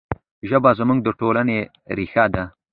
ژبه زموږ د ټولنې ریښه ده.